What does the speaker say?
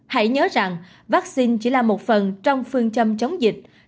hãy nhớ rằng vaccine chỉ là một phần trong phương châm chống dịch